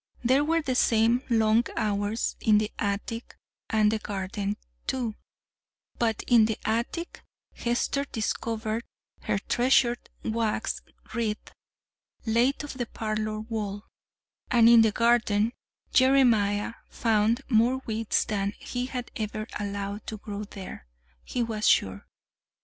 There were the same long hours in the attic and the garden, too but in the attic Hester discovered her treasured wax wreath (late of the parlor wall); and in the garden Jeremiah found more weeds than he had ever allowed to grow there, he was sure.